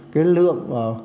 cái lượng khó